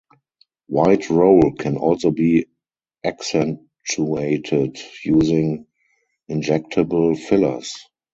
White roll can also be accentuated using injectable fillers.